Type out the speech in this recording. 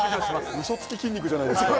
うそつき筋肉じゃないですか